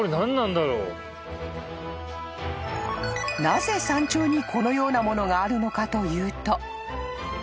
［なぜ山頂にこのようなものがあるのかというと］